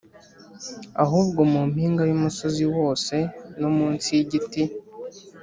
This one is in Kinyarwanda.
ahubwo mu mpinga y umusozi wose no munsi y igiti